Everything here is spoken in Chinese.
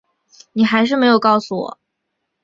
你还是没有告诉我